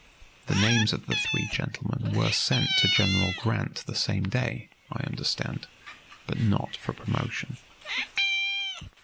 The names of the three gentlemen were sent to General Grant the same day, I understand. But not for promotion."